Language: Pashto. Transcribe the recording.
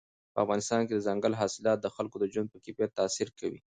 په افغانستان کې دځنګل حاصلات د خلکو د ژوند په کیفیت تاثیر کوي.